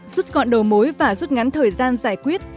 rút gọn đầu mối và rút ngắn thời gian giải quyết